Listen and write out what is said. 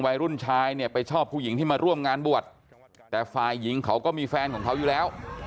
วัยรุ่นชายเนี่ยไปชอบผู้หญิงที่มาร่วมงานบวชแต่ฝ่ายหญิงเขาก็มีแฟนของเขาอยู่แล้ว